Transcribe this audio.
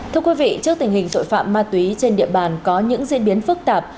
thưa quý vị trước tình hình tội phạm ma túy trên địa bàn có những diễn biến phức tạp